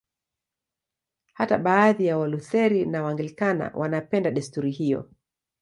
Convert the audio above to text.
Hata baadhi ya Walutheri na Waanglikana wanapenda desturi hiyo.